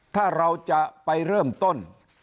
ถ้าเราจะไปเริ่มต้น